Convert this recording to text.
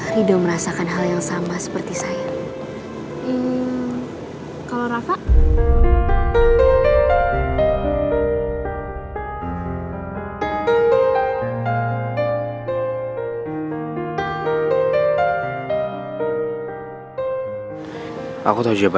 rido merasakan hal yang sama seperti saya